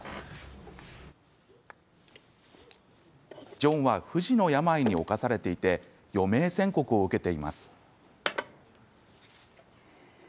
ジョンは不治の病に冒されていて余命宣告を受けています。